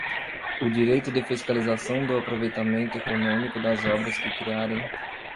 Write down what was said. o direito de fiscalização do aproveitamento econômico das obras que criarem